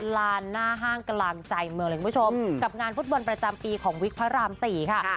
ลานหน้าห้างกลางใจเมืองเลยคุณผู้ชมกับงานฟุตบอลประจำปีของวิกพระราม๔ค่ะ